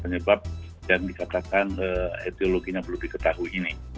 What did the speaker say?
penyebab dan dikatakan etiologinya belum diketahui ini